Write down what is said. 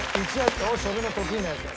よし俺の得意なやつだ。